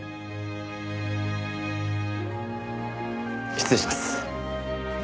失礼します。